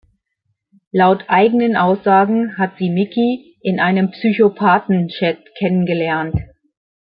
Laut eigenen Aussagen hat sie Mickey in einem „Psychopathen-Chat“ kennengelernt.